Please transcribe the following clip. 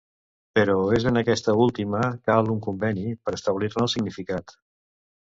Però és en aquesta última cal un conveni per establir-ne el significat.